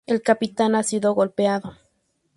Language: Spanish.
El capitán ha sido golpeado.